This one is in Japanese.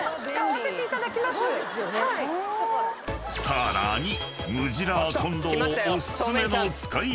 ［さらに］